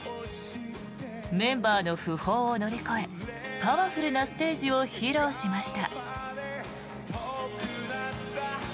メンバーの訃報を乗り越えパワフルなステージを披露しました。